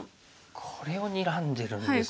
これをにらんでるんですね。